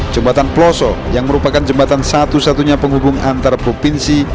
jembatan peloso yang merupakan jembatan satu satunya penghubung antar provinsi